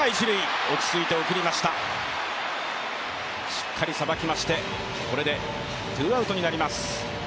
しっかりさばきましてこれでツーアウトになります。